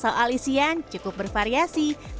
soal isian cukup bervariasi